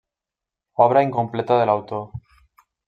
Obra incompleta de l'autor.